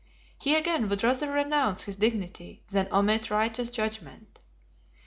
He again would rather renounce his dignity than omit righteous judgment.